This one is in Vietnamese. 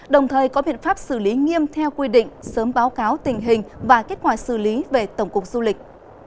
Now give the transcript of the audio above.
đồng thời có biện pháp xử lý nghiêm theo quy định sớm báo cáo tình hình và kết quả xử lý về tổng cục du lịch